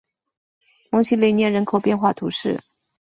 蒙西雷涅人口变化图示